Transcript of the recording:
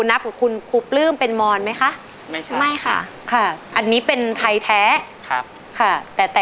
อ่ะเป็นนี่ค่ะ